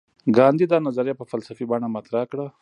ګاندي دا نظریه په فلسفي بڼه مطرح کړه.